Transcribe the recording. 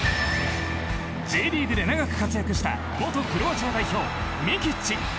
Ｊリーグで長く活躍した元クロアチア代表、ミキッチ。